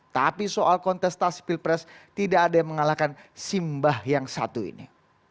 tapi soal kontestasi pilpres tidak ada yang mengalahkan simbah yang satu ini